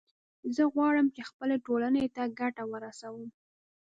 زه غواړم چې خپلې ټولنې ته ګټه ورسوم